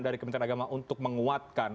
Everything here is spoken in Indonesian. dari kementerian agama untuk menguatkan